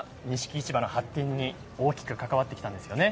市場の発展に大きく関わってきたんですよね。